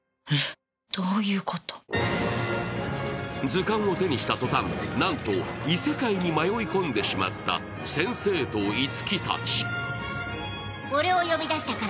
図鑑を手にした途端、なんと異世界に迷い込んでしまった先生と一樹たち。